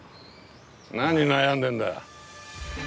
何悩んでんだ。